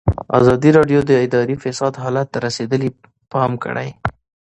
ازادي راډیو د اداري فساد حالت ته رسېدلي پام کړی.